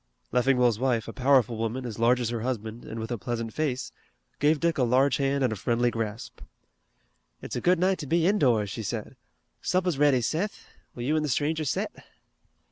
Leffingwell's wife, a powerful woman, as large as her husband, and with a pleasant face, gave Dick a large hand and a friendly grasp. "It's a good night to be indoors," she said. "Supper's ready, Seth. Will you an' the stranger set?"